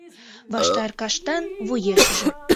Ваштар каштан вуешыже